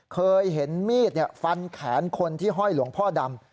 เคยเห็นมีดฟันแขนคนที่ห้อยหลวงพ่อดำ